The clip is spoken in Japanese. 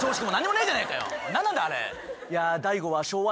何なんだあれ？